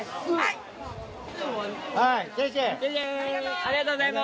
ありがとうございます。